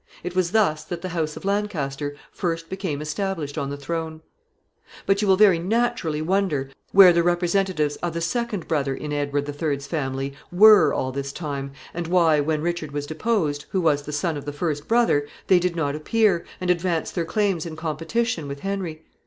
It was thus that the house of Lancaster first became established on the throne. [Sidenote: The elder branches of the family.] But you will very naturally wonder where the representatives of the second brother in Edward the Third's family were all this time, and why, when Richard was deposed, who was the son of the first brother, they did not appear, and advance their claims in competition with Henry.